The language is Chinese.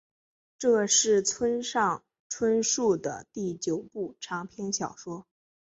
这是村上春树的第九部长篇小说。